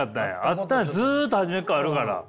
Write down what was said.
あったずっと初めからあるから。